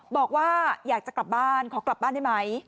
บอกว่าอยากจะกลับบ้านขอกลับบ้านได้ไหม